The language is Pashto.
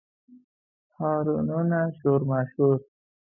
هارنونه، شور ماشور